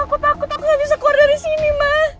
aku takut aku nggak bisa keluar dari sini mbak